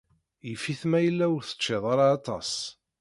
Yif-it ma yella ur teččiḍ ara aṭas.